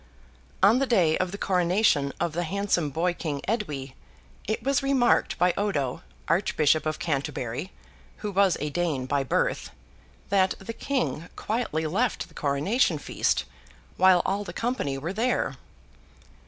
On the day of the coronation of the handsome boy king Edwy, it was remarked by Odo, Archbishop of Canterbury (who was a Dane by birth), that the King quietly left the coronation feast, while all the company were there.